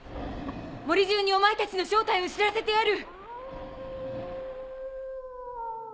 森じゅうにお前たちの正体を知らせてやる！